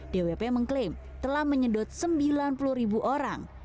dwp mengklaim telah menyedot sembilan puluh ribu orang